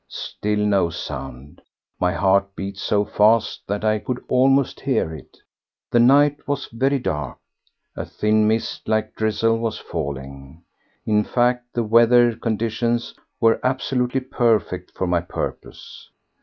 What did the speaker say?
Still no sound. My heart beat so fast that I could almost hear it. The night was very dark. A thin mist like drizzle was falling; in fact the weather conditions were absolutely perfect for my purpose.